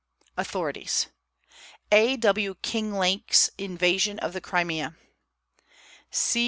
AUTHORITIES. A. W. Kinglake's Invasion of the Crimea; C.